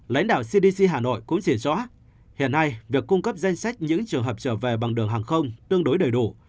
lãnh đạo cdc hà nội cũng chỉ rõ hiện nay việc cung cấp danh sách những trường hợp trở về bằng đường hàng không tương đối đầy đủ